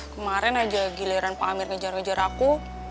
kemarin aja giliran pak amir ngejar ngejar aku